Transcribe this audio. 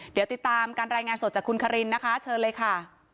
เดี๋ยวติดตามการรายงานสดจากคุณคารินนะคะเชิญเลยค่ะ